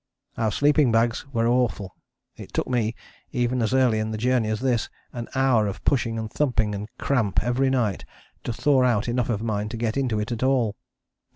Our sleeping bags were awful. It took me, even as early in the journey as this, an hour of pushing and thumping and cramp every night to thaw out enough of mine to get into it at all.